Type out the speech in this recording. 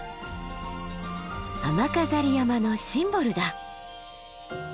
雨飾山のシンボルだ。